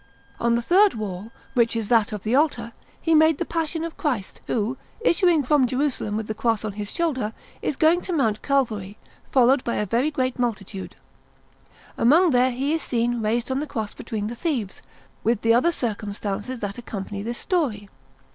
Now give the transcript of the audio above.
On the third wall, which is that of the altar, he made the Passion of Christ, who, issuing from Jerusalem with the Cross on His shoulder, is going to Mount Calvary, followed by a very great multitude. Arriving there, He is seen raised on the Cross between the Thieves, with the other circumstances that accompany this story.